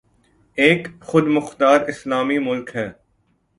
ایک خود مختار اسلامی ملک ہے